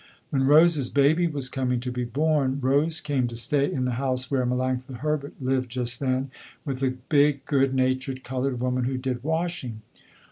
When Rose's baby was coming to be born, Rose came to stay in the house where Melanctha Herbert lived just then, with a big good natured colored woman who did washing.